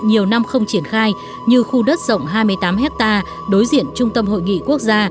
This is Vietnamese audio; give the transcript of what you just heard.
nhiều năm không triển khai như khu đất rộng hai mươi tám hectare đối diện trung tâm hội nghị quốc gia